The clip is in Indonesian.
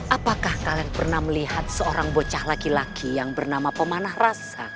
apakah kalian pernah melihat seorang bocah laki laki yang bernama pemanah rasa